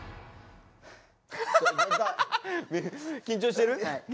緊張してる？